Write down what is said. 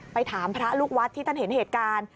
ถามพระลูกวัดที่ท่านเห็นเหตุการณ์